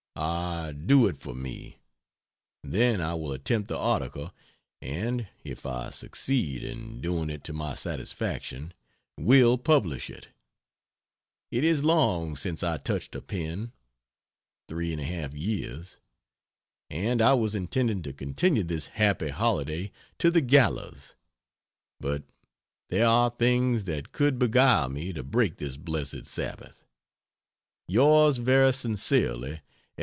Ah, do it for me! Then I will attempt the article, and (if I succeed in doing it to my satisfaction,) will publish it. It is long since I touched a pen (3 1/2 years), and I was intending to continue this happy holiday to the gallows, but there are things that could beguile me to break this blessed Sabbath. Yours very sincerely, S.